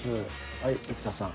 はい生田さん。